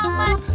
ih awal amat